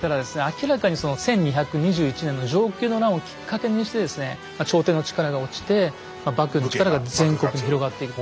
明らかにその１２２１年の承久の乱をきっかけにしてですね朝廷の力が落ちて幕府の力が全国に広がっている。